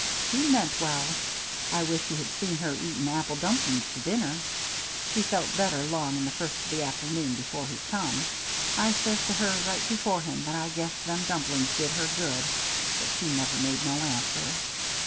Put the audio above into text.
He meant well. I wish he had seen her eating apple dumplings for dinner. She felt better 'long in the first o' the afternoon before he come. I says to her, right before him, that I guessed them dumplings did her good, but she never made no answer.